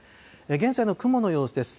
現在の雲の様子です。